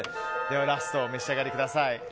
ラスト、お召し上がりください。